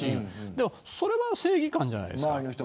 でもそれは正義感じゃないですか。